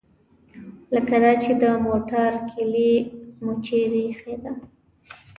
لکه دا چې د موټر کیلي مو چیرې ایښې ده.